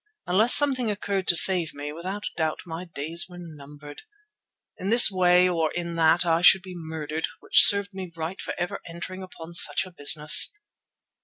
Unless something occurred to save me, without doubt my days were numbered. In this way or in that I should be murdered, which served me right for ever entering upon such a business.